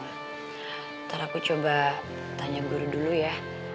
nanti aku coba tanya guru dulu ya